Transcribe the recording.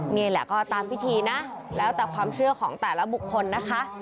นี่แหละก็ตามพิธีนะแล้วแต่ความเชื่อของแต่ละบุคคลนะคะ